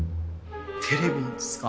テレビっすか？